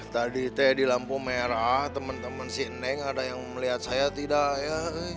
tadi teh di lampu merah temen temen si neng ada yang melihat saya tidak ya